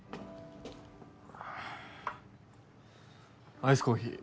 アイスコーヒー。